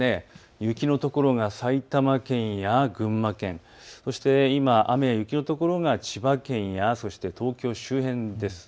雪の所が埼玉県や群馬県、そして今雨や雪の所が千葉県やそして東京周辺です。